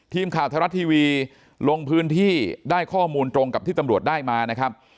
ทีมข่าวไทยรัฐทีวีลงพื้นที่ได้ข้อมูลตรงกับที่ตำรวจได้มานะครับ